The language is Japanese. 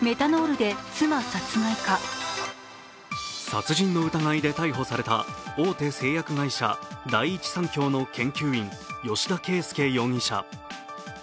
殺人の疑いで逮捕された大手製薬会社第一三共の研究員・吉田圭右容疑者。